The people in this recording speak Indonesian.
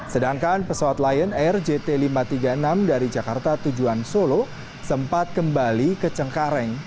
sedangkan pesawat lion air jt lima ratus tiga puluh enam dari jakarta tujuan solo sempat kembali ke cengkareng